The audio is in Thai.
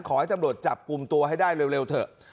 ขอให้ตำรวจจับกลุ่มตัวให้ได้เร็วเถอะ